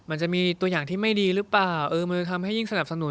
มันจะมีตัวอย่างที่ไม่ดีหรือเปล่าเออมันจะทำให้ยิ่งสนับสนุน